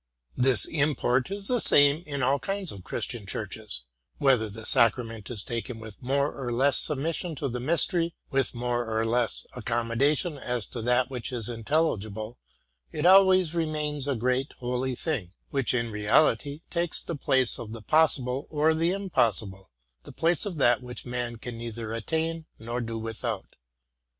This import is the same in all kinds of Christian churches: whether the sacrament is taken with more or less submission to the mys tery, with more or less accommodation as to that which is intelligible, it always remains a great, holy thing, which in reality takes the place of the possible or the impossible, the place of that which man can neither attain nor do without.